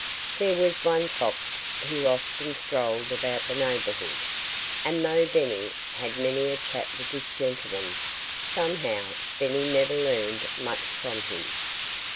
There was one fox who often strolled about the neighborhood. And though Benny had many a chat with this gentleman, somehow Benny never learned much from him.